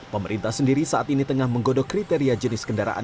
pemerintah sendiri saat ini tengah menggodok kriteria jenis kendaraan